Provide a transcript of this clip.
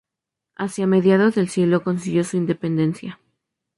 Hacia mediados del siglo consiguió su independencia.